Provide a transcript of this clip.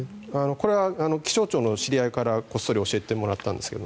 これは気象庁の知り合いからこっそり教えてもらったんですけど。